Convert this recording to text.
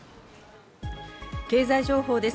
経済情報です。